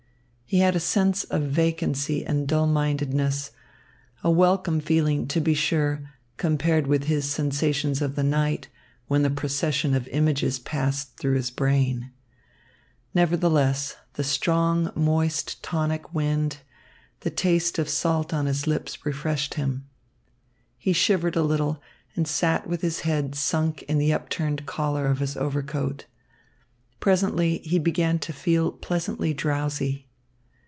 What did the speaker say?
He had a sense of vacancy and dull mindedness, a welcome feeling, to be sure, compared with his sensations of the night, when the procession of images passed through his brain. Nevertheless, the strong, moist, tonic wind, the taste of salt on his lips refreshed him. He shivered a little, and sat with his head sunk in the upturned collar of his overcoat. Presently he began to feel pleasantly drowsy.